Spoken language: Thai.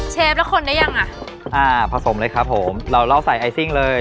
เชฟแล้วคนได้ยังอ่ะอ่าผสมเลยครับผมเราเล่าใส่ไอซิ่งเลย